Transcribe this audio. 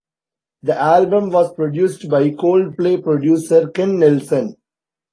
The album was produced by Coldplay producer Ken Nelson.